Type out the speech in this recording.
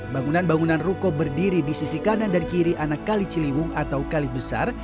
bangunan bangunan ruko berdiri di sisi kanan dan kiri anak kali ciliwung atau kali besar